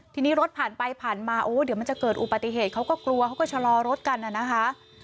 ทีนี้รถผ่านไปผ่านมาโอ้เดี๋ยวมันจะเกิดอุปติเหตุเขาก็กลัวเขาก็ชะลอรถกันน่ะนะคะ